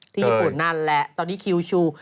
ญี่ปุ่นนั่นแหละตอนนี้คิวชู